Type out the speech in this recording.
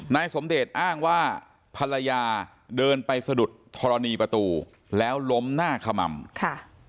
นายสมเดชอ้างว่าภรรยาเดินไปสะดุดธรณีประตูแล้วล้มหน้าขม่ำค่ะ